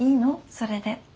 それで。